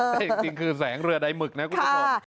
แต่จริงคือแสงเรือใดหมึกนะคุณผู้ชม